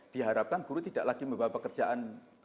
diharapkan guru tidak lagi membawa pekerjaan